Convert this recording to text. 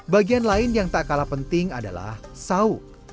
bagian lain yang tak kalah penting adalah sauk